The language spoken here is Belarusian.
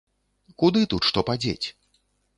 Куды тут што падзець?